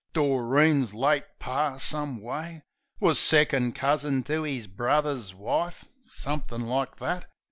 Doreen's late Par, some way, Was second cousin to 'is bruvver's wife. Somethin' like that.